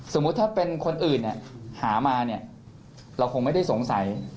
สมมุติถ้าเป็นคนอื่นหามาเนี่ยเราคงไม่ได้สงสัย